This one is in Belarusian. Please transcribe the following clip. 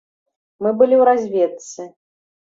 Мы былі ў разведцы.